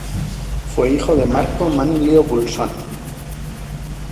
Fue hijo de Marco Manlio Vulsón.